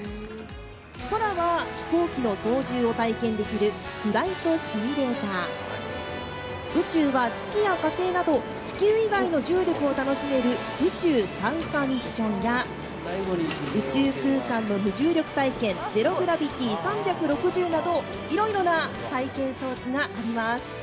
空は飛行機の操縦を体験できるフライトシミュレーター、宇宙は、月や火星など地球以外の重力を楽しめる宇宙探査ミッションや宇宙空間の無重力体験、ＺＥＲＯグラビティ３６０などいろいろな体験装置があります。